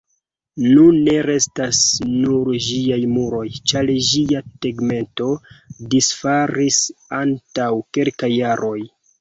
Nune restas nur ĝiaj muroj, ĉar ĝia tegmento disfalis antaŭ kelkaj jaroj.